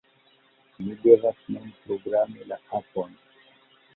Ni devas nun programi la apon